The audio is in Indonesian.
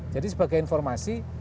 jadi sebagai informasi